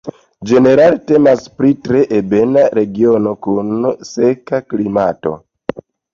Ĝenerale temas pri tre ebena regiono kun seka klimato.